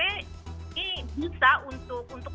ini bisa untuk